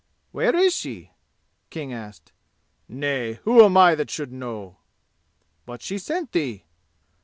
"Where is she?" King asked. "Nay, who am I that I should know?" "But she sent thee?"